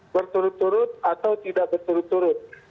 berturut turut atau tidak berturut turut